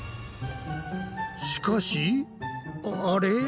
しかしあれ？